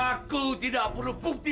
aku tidak perlu bukti